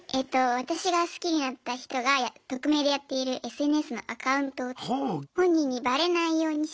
私が好きになった人が匿名でやっているＳＮＳのアカウントを本人にバレないようにして「特定」していますね。